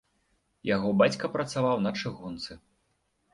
Яго бацька працаваў на чыгунцы.